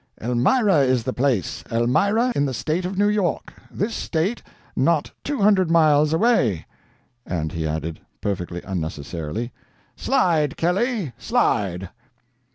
"Elmira is the place. Elmira in the State of New York—this State, not two hundred miles away;" and he added, perfectly unnecessarily, "Slide, Kelley, slide."